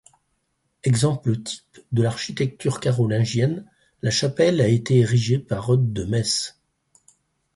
Exemple type de l'architecture carolingienne, la chapelle a été érigée par Eudes de Metz.